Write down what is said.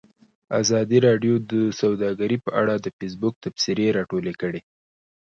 ازادي راډیو د سوداګري په اړه د فیسبوک تبصرې راټولې کړي.